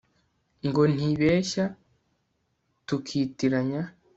ngo ntibeshya tukitiranya